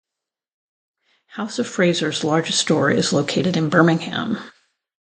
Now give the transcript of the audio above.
House of Fraser's largest store is located in Birmingham.